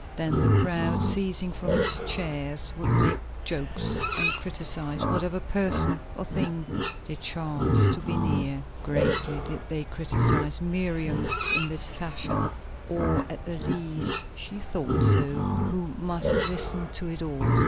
Then the crowd, ceasing from its cheers, would make jokes, and criticise whatever person or thing they chanced to be near. Greatly did they criticise Miriam in this fashion, or at the least she thought so, who must listen to it all.